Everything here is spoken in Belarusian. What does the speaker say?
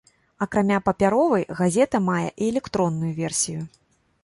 Акрамя папяровай, газета мае і электронную версію.